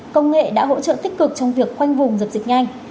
công nghệ đã hỗ trợ tích cực trong việc khoanh vùng dập dịch nhanh